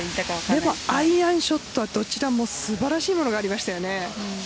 でも、アイアンショットはどちらも素晴らしいものがありましたよね。